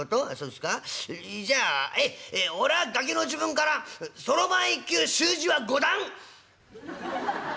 じゃあええっ。俺はガキの時分からそろばん１級習字は五段！」。